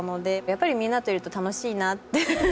やっぱりみんなといると楽しいなって。